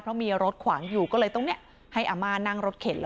เพราะมีรถขวางอยู่ก็เลยต้องให้อาม่านั่งรถเข็นเลย